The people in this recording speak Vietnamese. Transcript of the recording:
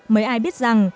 mấy ai biết rằng